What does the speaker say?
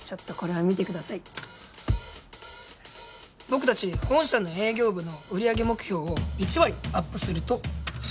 僕たち本社の営業部の売り上げ目標を１割アップすると。